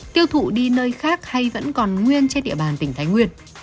tiêu thụ đi nơi khác hay vẫn còn nguyên trên địa bàn tỉnh thái nguyên